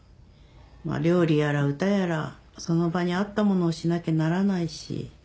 料理やら歌やらその場に合ったものをしなきゃならないし。